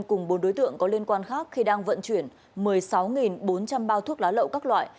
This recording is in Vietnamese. cùng bốn đối tượng có liên quan khác khi đang vận chuyển một mươi sáu bốn trăm linh bao thuốc lá lậu các loại